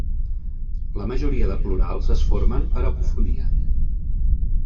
La majoria de plurals es formen per apofonia.